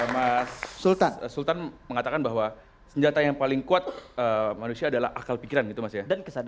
mas sultan mengatakan bahwa senjata yang paling kuat manusia adalah akal pikiran gitu mas ya